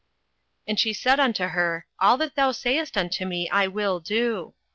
08:003:005 And she said unto her, All that thou sayest unto me I will do.